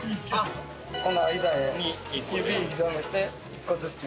この間へ指で広げて１個ずつ。